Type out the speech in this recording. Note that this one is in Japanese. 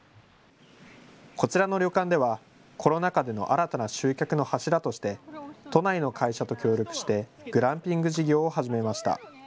こちらの旅館ではコロナ禍での新たな集客の柱として都内の会社と協力してグランピング事業を始めました。